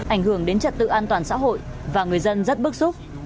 ảnh hưởng đến trật tự an toàn xã hội và người dân rất bức xúc